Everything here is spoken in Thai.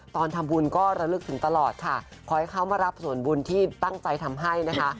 ตอนทำบุญก็ระลึกถึงตลอดค่ะขอให้เขามารับส่วนบุญที่ตั้งใจทำให้นะคะ